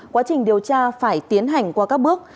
quá trình điều tra phải tiến hành qua các bước